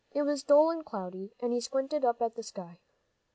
It was dull and cloudy, and he squinted up at the sky.